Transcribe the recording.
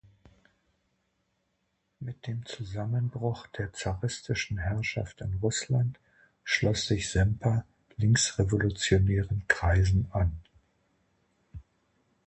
Mit dem Zusammenbruch der zaristischen Herrschaft in Russland schloss sich Semper linksrevolutionären Kreisen an.